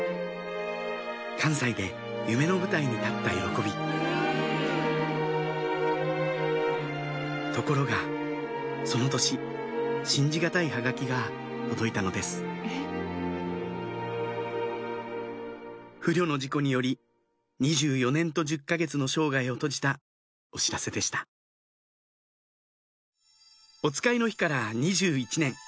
関西で夢の舞台に立った喜びところがその年信じ難いハガキが届いたのです不慮の事故により２４年と１０か月の生涯を閉じたお知らせでしたおつかいの日から２１年